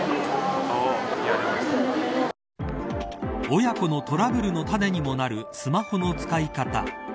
親子のトラブルの種にもなるスマホの使い方。